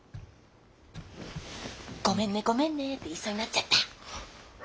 「ごめんねごめんね」って言いそうになっちゃった。